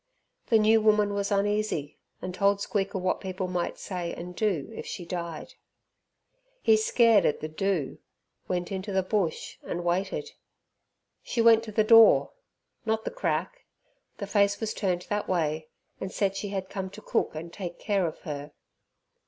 The new woman was uneasy, and told Squeaker what people might say and do if she died. He scared at the "do", went into the bush and waited. She went to the door, not the crack, the face was turned that way, and said she had come to cook and take care of her.